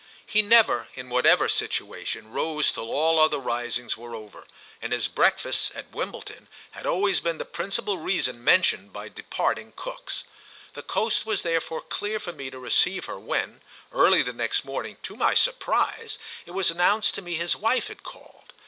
He never, in whatever situation, rose till all other risings were over, and his breakfasts, at Wimbledon, had always been the principal reason mentioned by departing cooks. The coast was therefore clear for me to receive her when, early the next morning, to my surprise, it was announced to me his wife had called.